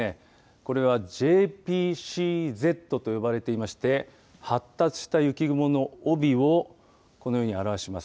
これはＪＰＣＺと呼ばれていまして発達した雪雲の帯をこのように表します。